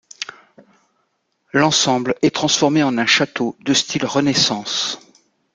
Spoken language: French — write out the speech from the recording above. L'ensemble est transformé en un château de style Renaissance.